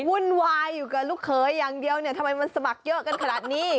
วุ่นวายอยู่กับลูกเขยอย่างเดียวเนี่ยทำไมมันสมัครเยอะกันขนาดนี้